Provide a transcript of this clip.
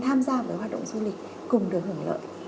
tham gia vào cái hoạt động du lịch cùng được hưởng lợi